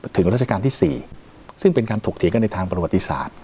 ถึงราชกาลที่๔ซึ่งเป็นการถกเทกเข้าในทางประวัติศาสตร์